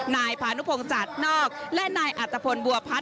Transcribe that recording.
นายพานุพงศ์จัดนอกและนายอัตภพลบัวพัฒน